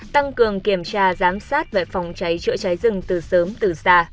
tăng cường kiểm tra giám sát về phòng cháy chữa cháy rừng từ sớm từ xa